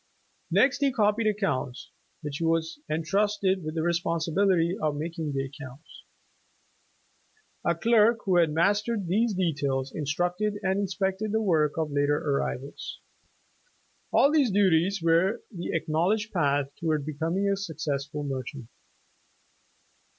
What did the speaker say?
Next he copied accounts, after which he was entrusted with the respon sibility of making the accounts. A clerk who had mas tered these details, instructed and inspected the work of later arrivals. All these duties were the acknowledged path toward becoming a successful merchant.